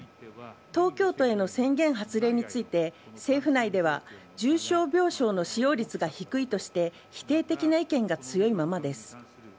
東京都への宣言発令について、政府内では重症病床の使用率が低いとして、否定的な意見が強いままです。